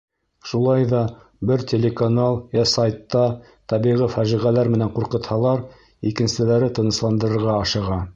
Шулай ҙа бер телеканал йә сайтта тәбиғи фажиғәләр менән ҡурҡытһалар, икенселәре тынысландырырға ашыға.